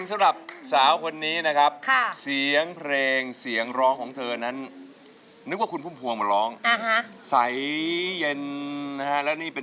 จะใช้หรือไม่ใช้